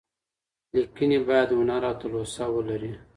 ليکنې بايد هنر او تلوسه ولري.